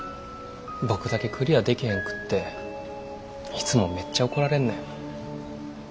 僕だけクリアでけへんくっていつもめっちゃ怒られんねん。